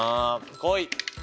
来い！